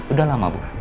udah lama bu